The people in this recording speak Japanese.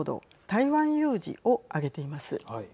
台湾有事を挙げています。